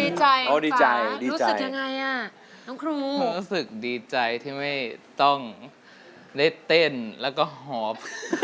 ดีใจอ๋อดีใจดีรู้สึกยังไงอ่ะน้องครูรู้สึกดีใจที่ไม่ต้องได้เต้นแล้วก็หอบ